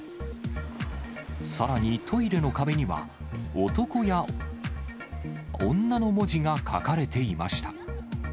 さらにトイレの壁には、男や女の文字が書かれていました。